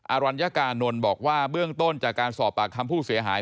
อรัญญากานนท์บอกว่าเบื้องต้นจากการสอบปากคำผู้เสียหาย